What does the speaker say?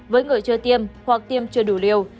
với người chưa tiêm hoặc tiêm chưa đủ liều